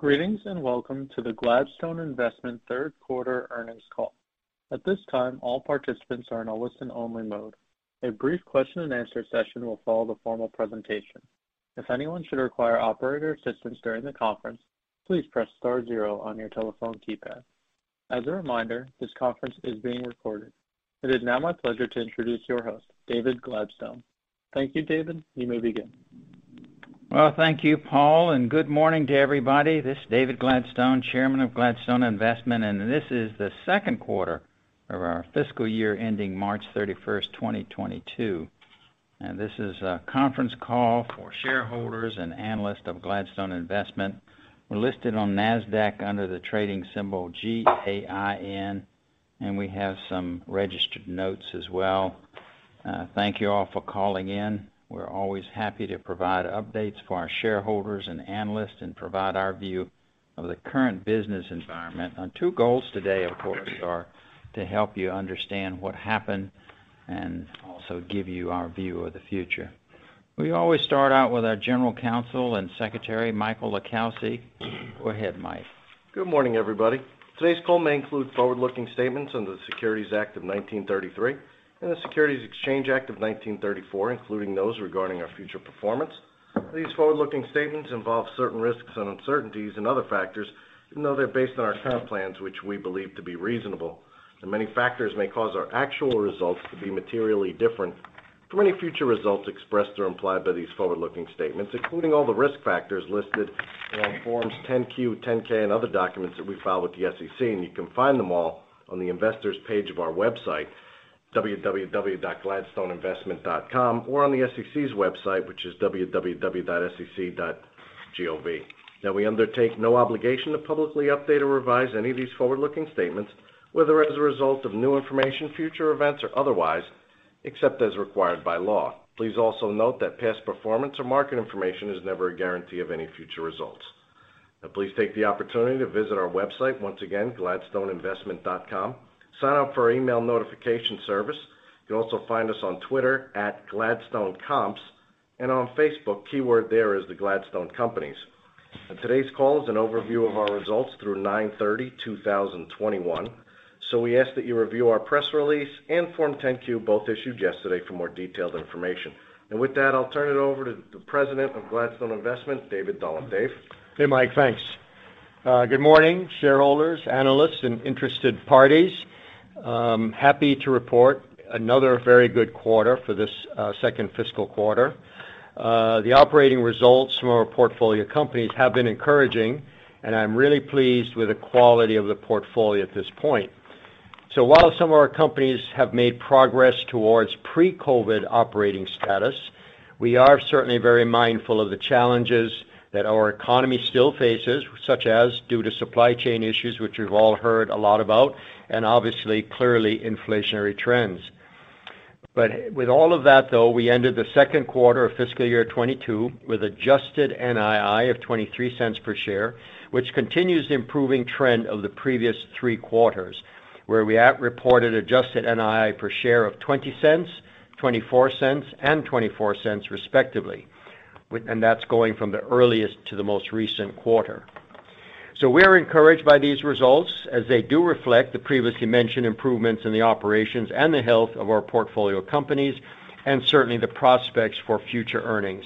Greetings, and welcome to the Gladstone Investment third quarter earnings call. At this time, all participants are in a listen-only mode. A brief question-and-answer session will follow the formal presentation. If anyone should require operator assistance during the conference, please press star zero on your telephone keypad. As a reminder, this conference is being recorded. It is now my pleasure to introduce your host, David Gladstone. Thank you, David. You may begin. Well, thank you, Paul, and good morning to everybody. This is David Gladstone, Chairman of Gladstone Investment, and this is the second quarter of our fiscal year ending March 31st, 2022. This is a conference call for shareholders and analysts of Gladstone Investment. We're listed on Nasdaq under the trading symbol GAIN, and we have some registered notes as well. Thank you all for calling in. We're always happy to provide updates for our shareholders and analysts and provide our view of the current business environment. Our two goals today, of course, are to help you understand what happened and also give you our view of the future. We always start out with our General Counsel and Secretary, Michael LiCalsi. Go ahead, Mike. Good morning, everybody. Today's call may include forward-looking statements under the Securities Act of 1933 and the Securities Exchange Act of 1934, including those regarding our future performance. These forward-looking statements involve certain risks and uncertainties and other factors, even though they're based on our current plans, which we believe to be reasonable. Many factors may cause our actual results to be materially different from any future results expressed or implied by these forward-looking statements, including all the risk factors listed in our Forms 10-Q, 10-K, and other documents that we file with the SEC. You can find them all on the Investors page of our website, www.gladstoneinvestment.com, or on the SEC's website, which is www.sec.gov. Now, we undertake no obligation to publicly update or revise any of these forward-looking statements, whether as a result of new information, future events, or otherwise, except as required by law. Please also note that past performance or market information is never a guarantee of any future results. Now, please take the opportunity to visit our website, once again, gladstoneinvestment.com. Sign up for our email notification service. You'll also find us on Twitter, @GladstoneComps, and on Facebook. Keyword there is the Gladstone Companies. Today's call is an overview of our results through 9/30/2021. We ask that you review our press release and Form 10-Q, both issued yesterday, for more detailed information. With that, I'll turn it over to the President of Gladstone Investment, David Dullum. Dave? Hey, Mike, thanks. Good morning, shareholders, analysts, and interested parties. Happy to report another very good quarter for this second fiscal quarter. The operating results from our portfolio companies have been encouraging, and I'm really pleased with the quality of the portfolio at this point. While some of our companies have made progress towards pre-COVID operating status, we are certainly very mindful of the challenges that our economy still faces, such as due to supply chain issues, which we've all heard a lot about, and obviously, clearly inflationary trends. With all of that though, we ended the second quarter of fiscal year 2022 with adjusted NII of $0.23 per share, which continues the improving trend of the previous three quarters, where we have reported adjusted NII per share of $0.20, $0.24, and $0.24 respectively, but the that's going from the earliest to the most recent quarter. We are encouraged by these results, as they do reflect the previously mentioned improvements in the operations and the health of our portfolio companies and certainly the prospects for future earnings.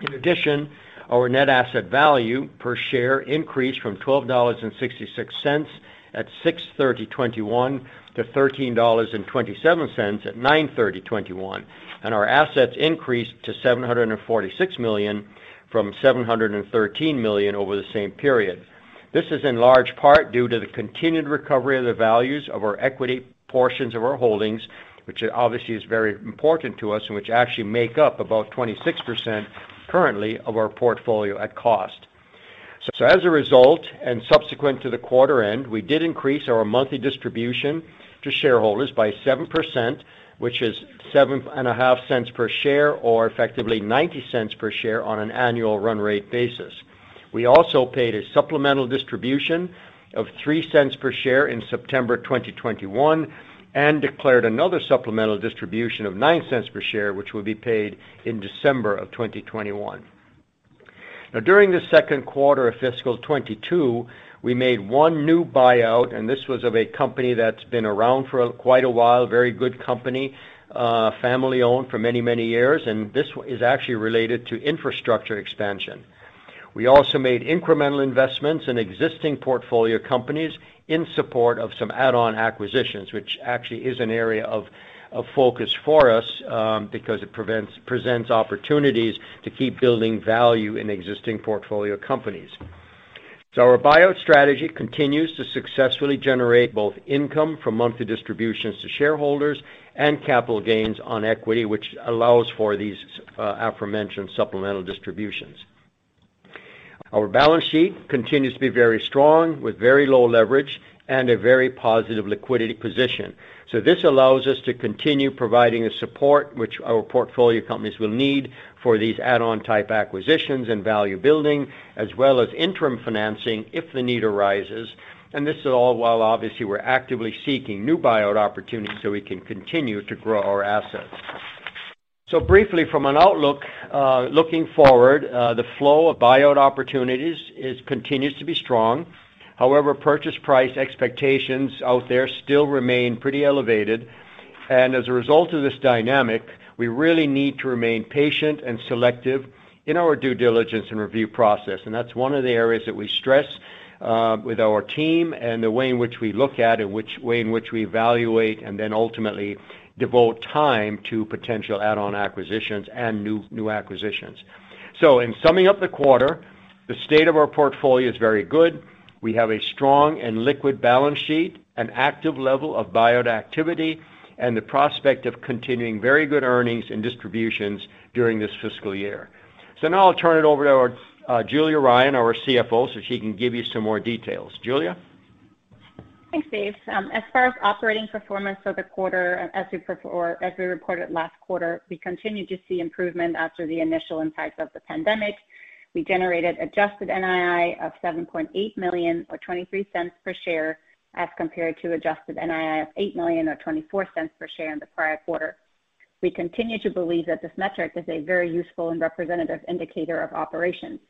In addition, our net asset value per share increased from $12.66 at 6/30/2021 to $13.27 at 9/30/2021, and our assets increased to $746 million from $713 million over the same period. This is in large part due to the continued recovery of the values of our equity portions of our holdings, which obviously is very important to us, and which actually make up about 26% currently of our portfolio at cost. As a result, and subsequent to the quarter end, we did increase our monthly distribution to shareholders by 7%, which is $0.075 per share, or effectively $0.90 per share on an annual run rate basis. We also paid a supplemental distribution of $0.03 per share in September 2021 and declared another supplemental distribution of $0.09 per share, which will be paid in December 2021. Now, during the second quarter of fiscal 2022, we made one new buyout, and this was of a company that's been around for quite a while. Very good company, family-owned for many, many years, and this is actually related to infrastructure expansion. We also made incremental investments in existing portfolio companies in support of some add-on acquisitions, which actually is an area of focus for us, because it presents opportunities to keep building value in existing portfolio companies. Our buyout strategy continues to successfully generate both income from monthly distributions to shareholders and capital gains on equity, which allows for these aforementioned supplemental distributions. Our balance sheet continues to be very strong, with very low leverage and a very positive liquidity position. This allows us to continue providing a support which our portfolio companies will need for these add-on type acquisitions and value building, as well as interim financing if the need arises. This is all while obviously we're actively seeking new buyout opportunities so we can continue to grow our assets. Briefly from an outlook, looking forward, the flow of buyout opportunities continues to be strong. However, purchase price expectations out there still remain pretty elevated. As a result of this dynamic, we really need to remain patient and selective in our due diligence and review process. That's one of the areas that we stress with our team and the way in which we look at and evaluate and then ultimately devote time to potential add-on acquisitions and new acquisitions. In summing up the quarter, the state of our portfolio is very good. We have a strong and liquid balance sheet, an active level of buyout activity, and the prospect of continuing very good earnings and distributions during this fiscal year. Now I'll turn it over to our Julia Ryan, our CFO, so she can give you some more details. Julia. Thanks, Dave. As far as operating performance for the quarter, as we reported last quarter, we continue to see improvement after the initial impact of the pandemic. We generated adjusted NII of $7.8 million or $0.23 per share, as compared to adjusted NII of $8 million or $0.24 per share in the prior quarter. We continue to believe that this metric is a very useful and representative indicator of operations.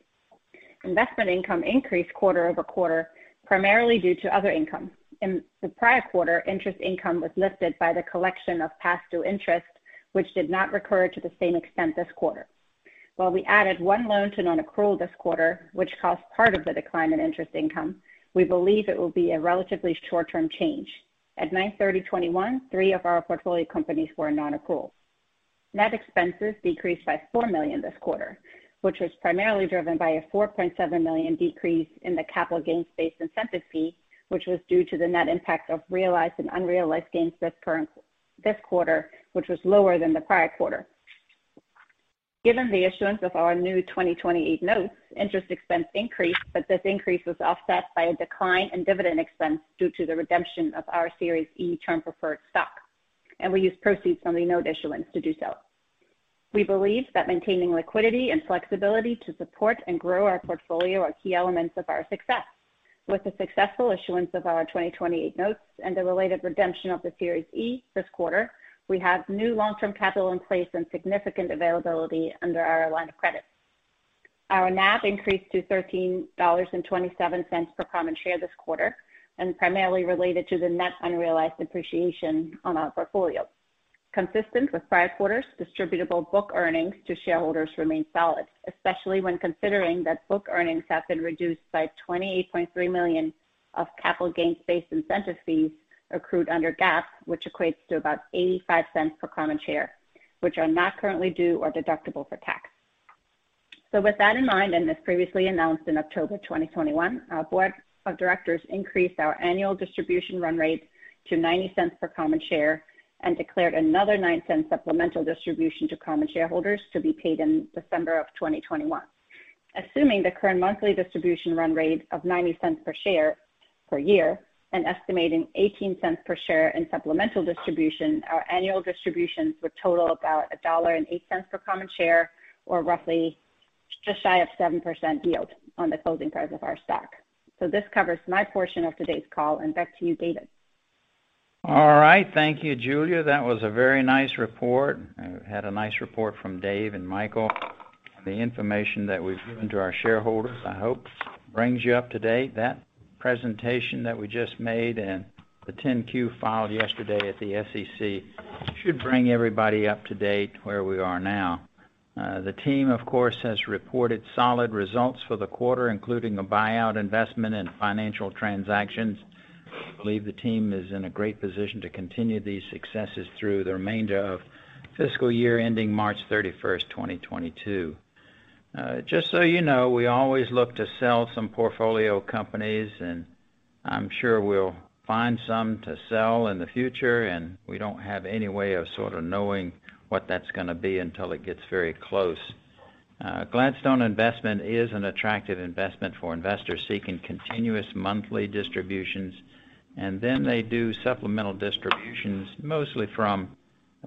Investment income increased quarter-over-quarter, primarily due to other income. In the prior quarter, interest income was lifted by the collection of past due interest, which did not recur to the same extent this quarter. While we added one loan to nonaccrual this quarter, which caused part of the decline in interest income, we believe it will be a relatively short-term change. At 9/30/2021, three of our portfolio companies were nonaccrual. Net expenses decreased by $4 million this quarter, which was primarily driven by a $4.7 million decrease in the capital gains-based incentive fee, which was due to the net impact of realized and unrealized gains this quarter, which was lower than the prior quarter. Given the issuance of our new 2028 notes, interest expense increased, but this increase was offset by a decline in dividend expense due to the redemption of our Series E Term Preferred Stock, and we used proceeds from the note issuance to do so. We believe that maintaining liquidity and flexibility to support and grow our portfolio are key elements of our success. With the successful issuance of our 2028 notes and the related redemption of the Series E this quarter, we have new long-term capital in place and significant availability under our line of credit. Our NAV increased to $13.27 per common share this quarter and primarily related to the net unrealized appreciation on our portfolio. Consistent with prior quarters, distributable book earnings to shareholders remain solid, especially when considering that book earnings have been reduced by $28.3 million of capital gains-based incentive fees accrued under GAAP, which equates to about $0.85 per common share, which are not currently due or deductible for tax. With that in mind, and as previously announced in October 2021, our board of directors increased our annual distribution run rate to $0.90 per common share and declared another $0.09 supplemental distribution to common shareholders to be paid in December 2021. Assuming the current monthly distribution run rate of $0.90 per share per year and estimating $0.18 per share in supplemental distribution, our annual distributions would total about $1.08 per common share, or roughly just shy of 7% yield on the closing price of our stock. This covers my portion of today's call, and back to you, David. All right. Thank you, Julia. That was a very nice report. We had a nice report from Dave and Michael. The information that we've given to our shareholders, I hope brings you up to date. That presentation that we just made and the 10-Q filed yesterday at the SEC should bring everybody up to date where we are now. The team, of course, has reported solid results for the quarter, including a buyout investment in financial transactions. I believe the team is in a great position to continue these successes through the remainder of fiscal year ending March 31st, 2022. Just so you know, we always look to sell some portfolio companies, and I'm sure we'll find some to sell in the future, and we don't have any way of sort of knowing what that's gonna be until it gets very close. Gladstone Investment is an attractive investment for investors seeking continuous monthly distributions, and then they do supplemental distributions mostly from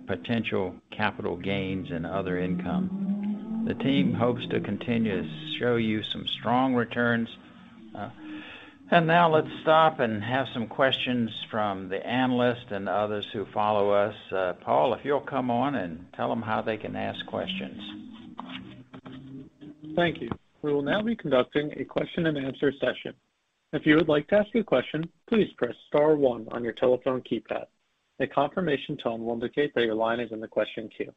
potential capital gains and other income. The team hopes to continue to show you some strong returns. Now let's stop and have some questions from the analysts and others who follow us. Paul, if you'll come on and tell them how they can ask questions. Thank you. We will now be conducting a question-and-answer session. If you would like to ask a question, please press star one on your telephone keypad. A confirmation tone will indicate that your line is in the question queue.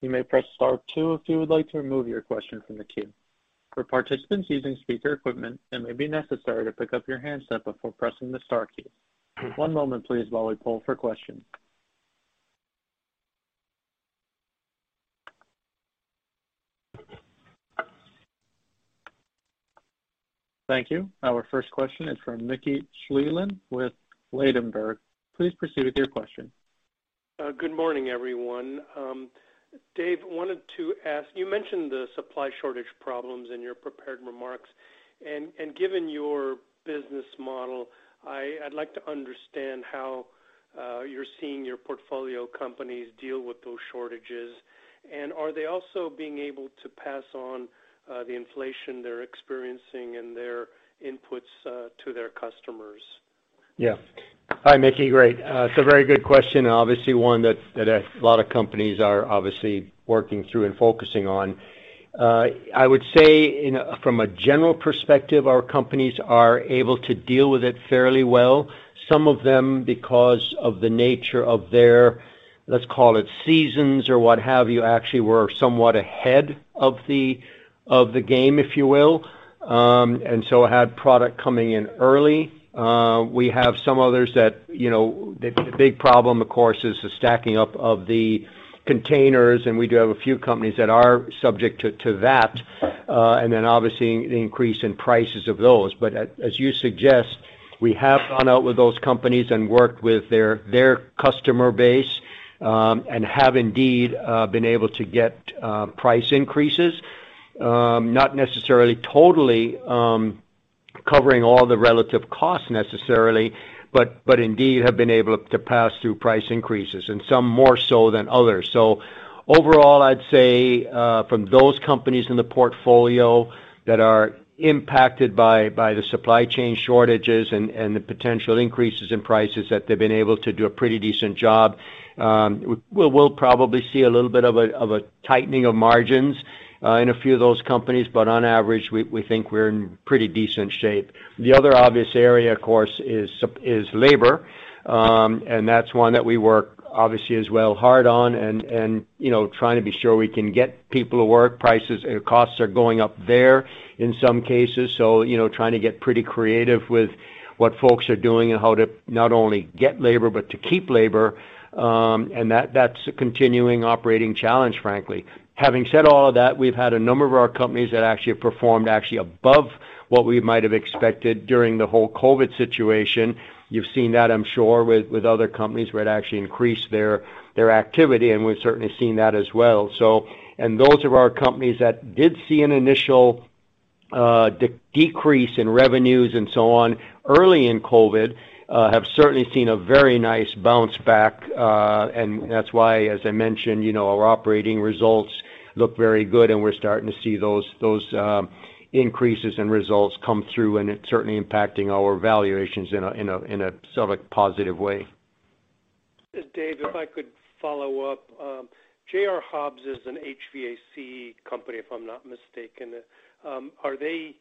You may press star two if you would like to remove your question from the queue. For participants using speaker equipment, it may be necessary to pick up your handset before pressing the star key. One moment, please, while we poll for questions. Thank you. Our first question is from Mickey Schleien with Ladenburg. Please proceed with your question. Good morning, everyone. Dave, I wanted to ask, you mentioned the supply shortage problems in your prepared remarks. Given your business model, I'd like to understand how you're seeing your portfolio companies deal with those shortages. Are they also being able to pass on the inflation they're experiencing and their inputs to their customers? Yeah. Hi, Mickey. Great. It's a very good question, and obviously one that a lot of companies are obviously working through and focusing on. I would say from a general perspective, our companies are able to deal with it fairly well. Some of them, because of the nature of their, let's call it, seasons or what have you, actually were somewhat ahead of the game, if you will. Had product coming in early. We have some others that, you know, the big problem, of course, is the stacking up of the containers, and we do have a few companies that are subject to that. Then obviously the increase in prices of those. As you suggest, we have gone out with those companies and worked with their customer base, and have indeed been able to get price increases. Not necessarily totally covering all the relative costs necessarily, but indeed have been able to pass through price increases, and some more so than others. So overall, I'd say from those companies in the portfolio that are impacted by the supply chain shortages and the potential increases in prices that they've been able to do a pretty decent job. We'll probably see a little bit of a tightening of margins in a few of those companies, but on average, we think we're in pretty decent shape. The other obvious area, of course, is labor and that's one that we work, obviously as well, hard on and, you know, trying to be sure we can get people to work. Prices, costs are going up there. In some cases, you know, trying to get pretty creative with what folks are doing and how to not only get labor, but to keep labor. That, that's a continuing operating challenge, frankly. Having said all of that, we've had a number of our companies that actually have performed actually above what we might have expected during the whole COVID situation. You've seen that, I'm sure, with other companies where it actually increased their activity, and we've certainly seen that as well. Those of our companies that did see an initial decrease in revenues and so on early in COVID have certainly seen a very nice bounce back. That's why, as I mentioned, you know, our operating results look very good, and we're starting to see those increases in results come through, and it's certainly impacting our valuations in a somewhat positive way. Dave, if I could follow up. J.R. Hobbs is an HVAC company, if I'm not mistaken. Are the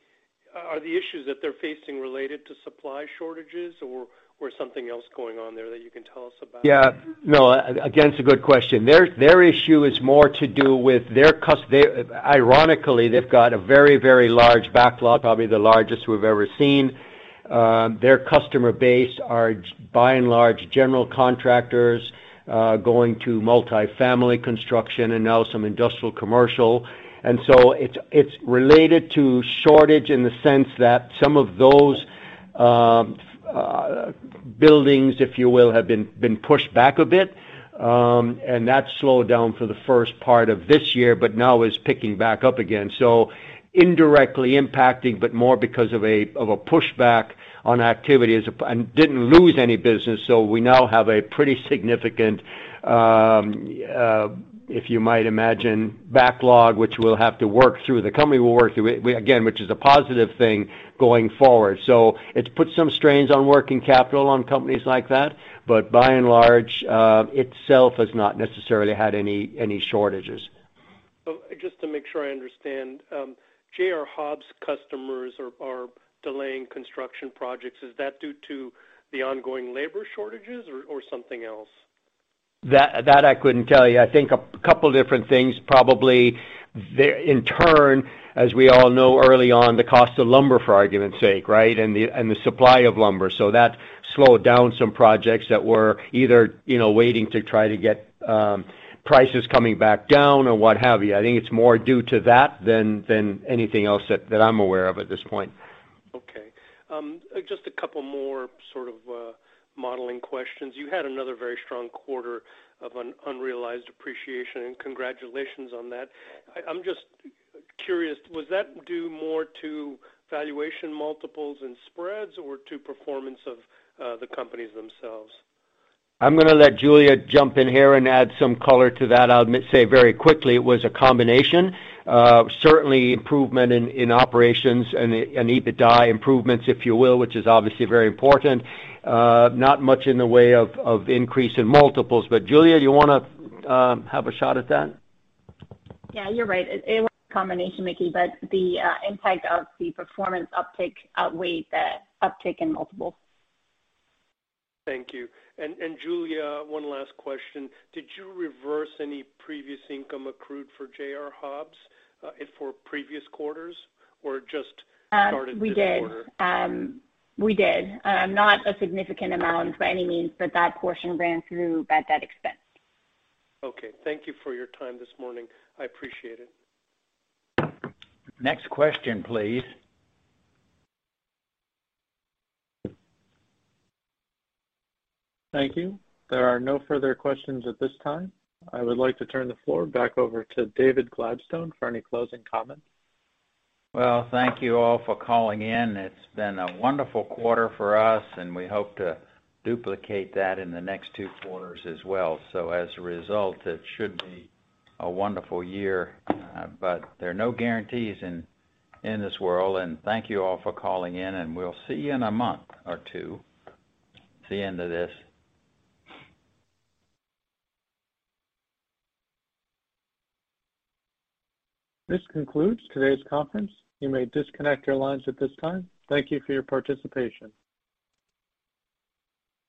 issues that they're facing related to supply shortages or something else going on there that you can tell us about? Yeah. No, again, it's a good question. Their issue is more to do with their customers. Ironically, they've got a very, very large backlog, probably the largest we've ever seen. Their customer base are by and large general contractors, going to multifamily construction and now some industrial commercial. It's related to shortage in the sense that some of those buildings, if you will, have been pushed back a bit. That slowed down for the first part of this year, but now is picking back up again, indirectly impacting, but more because of a pushback on activities. Didn't lose any business, so we now have a pretty significant, if you might imagine, backlog, which we'll have to work through. The company will work through it. Again, which is a positive thing going forward. So it's put some strains on working capital on companies like that. But by and large, itself has not necessarily had any shortages. Just to make sure I understand. J.R. Hobbs customers are delaying construction projects. Is that due to the ongoing labor shortages or something else? That I couldn't tell you. I think a couple different things, probably. In turn, as we all know, early on, the cost of lumber, for argument's sake, right, and the supply of lumber. So that slowed down some projects that were either, you know, waiting to try to get prices coming back down or what have you. I think it's more due to that than anything else that I'm aware of at this point. Okay. Just a couple more sort of modeling questions. You had another very strong quarter of an unrealized appreciation, and congratulations on that. I'm just curious, was that due more to valuation multiples and spreads or to performance of the companies themselves? I'm gonna let Julia jump in here and add some color to that. I'll say very quickly it was a combination. Certainly improvement in operations and EBITDA improvements, if you will, which is obviously very important. Not much in the way of increase in multiples. Julia, you wanna have a shot at that? Yeah, you're right. It was a combination, Mickey but the impact of the performance uptick outweighed the uptick in multiples. Thank you. Julia, one last question. Did you reverse any previous income accrued for J.R. Hobbs for previous quarters or it just started this quarter? We did. Not a significant amount by any means, but that portion ran through at that expense. Okay. Thank you for your time this morning. I appreciate it. Next question, please. Thank you. There are no further questions at this time. I would like to turn the floor back over to David Gladstone for any closing comments. Well, thank you all for calling in. It's been a wonderful quarter for us, and we hope to duplicate that in the next two quarters as well. As a result, it should be a wonderful year, but there are no guarantees in this world. Thank you all for calling in and we'll see you in a month or two. It's the end of this. This concludes today's conference. You may disconnect your lines at this time. Thank you for your participation.